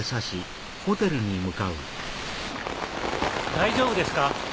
大丈夫ですか？